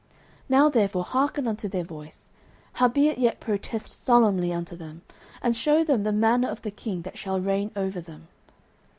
09:008:009 Now therefore hearken unto their voice: howbeit yet protest solemnly unto them, and shew them the manner of the king that shall reign over them.